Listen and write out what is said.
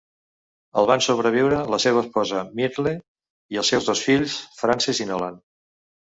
El van sobreviure la seva esposa, Myrtle, i els seus dos fills, Frances i Nolan.